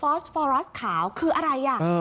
ฟอสฟอรัสขาวคืออะไร